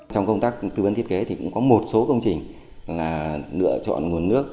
trong công tác tư vấn thiết kế thì cũng có một số công trình là lựa chọn nguồn nước